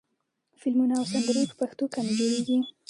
فلمونه او سندرې په پښتو کمې جوړېږي.